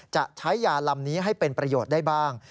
จะใช้ยาลำนี้ให้เป็นประโยชน์ได้บ้าง